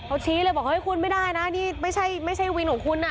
เขาชี้เลยบอกเฮ้ยคุณไม่ได้นะนี่ไม่ใช่วินของคุณน่ะ